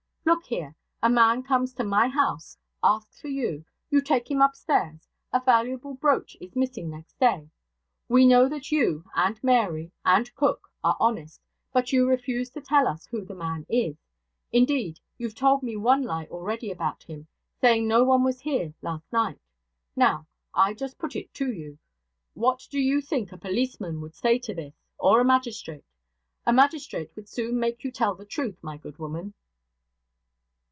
Look here! a man comes to my house; asks for you; you take him upstairs; a valuable brooch is missing next day; we know that you, and Mary, and cook, are honest; but you refuse to tell us who the man is. Indeed, you've told me one lie already about him, saying no one was here last night. Now, I just put it to you, what do you think a policeman would say to this, or a magistrate? A magistrate would soon make you tell the truth, my good woman.'